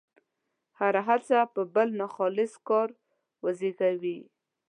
هره هڅه به بل ناخالص کار وزېږوي.